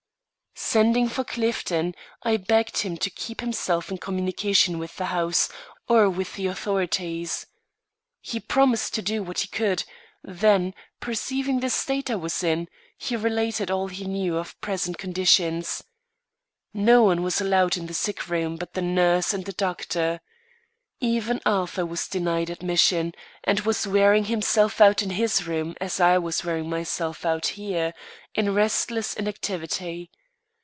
Sending for Clifton, I begged him to keep himself in communication with the house, or with the authorities. He promised to do what he could; then, perceiving the state I was in, he related all he knew of present conditions. No one was allowed in the sick room but the nurse and the doctor. Even Arthur was denied admission, and was wearing himself out in his own room as I was wearing myself out here, in restless inactivity.